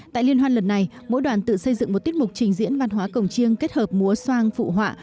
tại liên hoan lần này mỗi đoàn tự xây dựng một tiết mục trình diễn văn hóa cổng chiêng kết hợp múa soang phụ họa